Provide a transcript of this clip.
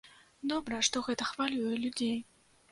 Добра, што гэта хвалюе людзей.